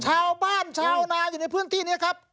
ชาวบ้านชาวนายอยู่ในพื้นที่นี้นะครับ